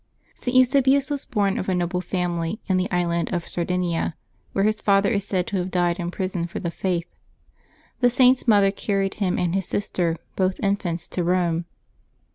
[t. Eusebius was bom of a noble family, in the island of Sardinia, where his father is said to have died in prison for the Faith. The Saint^s mother carried him and his sister, both infants, to Rome.